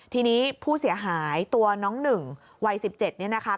ทีนี้ผู้เสียหายตัวน้องหนึ่งวัย๑๗เนี่ยนะคะ